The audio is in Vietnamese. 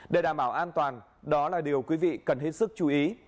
để đảm bảo an toàn đó là điều quý vị cần hết sức chú ý